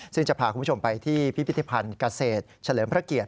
ซึ่งจะพาคุณผู้ชมไปที่พิพิธภัณฑ์เกษตรเฉลิมพระเกียรติ